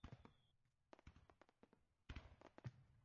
Biz keyin yuraveramiz, nega korrupsiya tugamaydi deb...